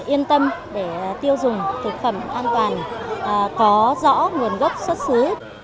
yên tâm để tiêu dùng thực phẩm an toàn có rõ nguồn gốc xuất xứ